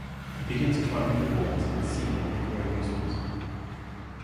He begins climbing the walls and ceiling for amusement.